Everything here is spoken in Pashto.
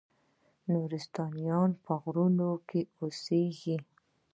نورستانیان په غرونو کې اوسیږي؟